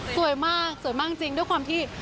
สวยมากสวยมากจริงด้วยความที่